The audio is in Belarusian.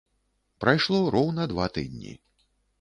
Прайшло роўна два тыдні.